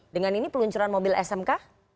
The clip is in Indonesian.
dengan ini peluncuran mobil smk